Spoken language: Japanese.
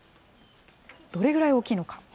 どれぐらい大きいのか。